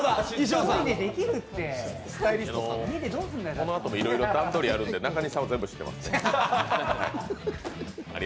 このあともいろいろ段取りがあるので、中西さんが全部知ってます。